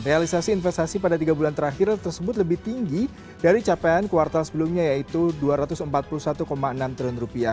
realisasi investasi pada tiga bulan terakhir tersebut lebih tinggi dari capaian kuartal sebelumnya yaitu rp dua ratus empat puluh satu enam triliun